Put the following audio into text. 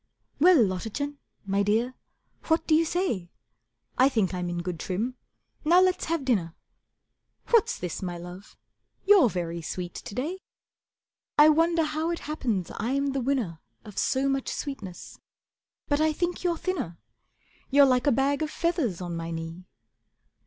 "Well, Lottachen, my Dear, what do you say? I think I'm in good trim. Now let's have dinner. What's this, my Love, you're very sweet to day. I wonder how it happens I'm the winner Of so much sweetness. But I think you're thinner; You're like a bag of feathers on my knee.